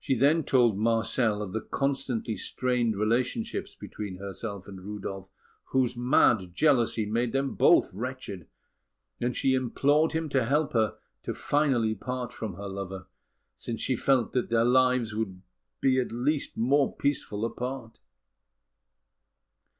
She then told Marcel of the constantly strained relations between herself and Rudolf, whose mad jealousy made them both wretched; and she implored him to help her to part finally from her lover, since she felt that their lives would be at least more peaceful apart.